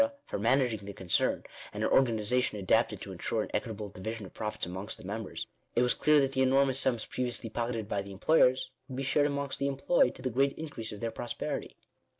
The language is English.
for managing the concern, and an or ganization adapted to ensure an equitable division of profits amongst the members, it was clear that the enormous sums previously pocketed by the employers, would be shared amongst the employed to the great increase of their prosperity.